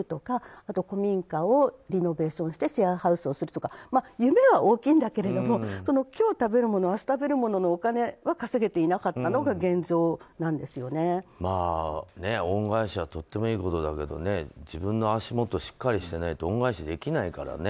あと古民家をリノベーションしてシェアハウスをするとか夢は大きいんだけれども今日食べるもの明日食べるもののお金は稼げていなかったのが恩返しはとてもいいことだけど自分の足元がしっかりしてないと恩返しできないからね。